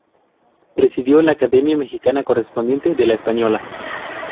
Presidió la Academia Mexicana, correspondiente de la Española.